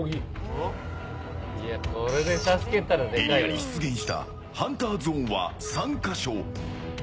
エリアに出現したハンターゾーンは３か所。